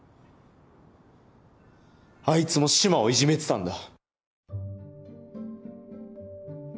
あいつも嶋をいじめてたんだ！